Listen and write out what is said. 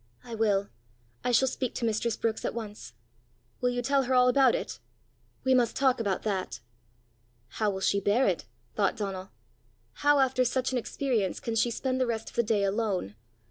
"I will. I shall speak to mistress Brookes at once." "Will you tell her all about it?" "We must talk about that!" "How will she bear it," thought Donal; "how after such an experience, can she spend the rest of the day alone?